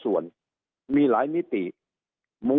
สุดท้ายก็ต้านไม่อยู่